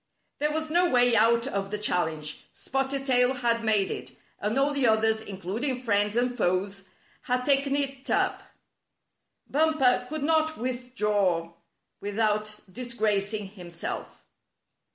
There was no way out of the challenge. Spotted Tail had made it, and all the others, in cluding friends and foes, had taken it up. Bumper could not withdraw without disgracing himself.